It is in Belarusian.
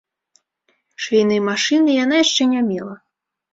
Швейнай машыны яна яшчэ не мела.